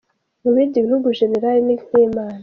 Mu bindi bihugu Jenerali ni nk’Imana.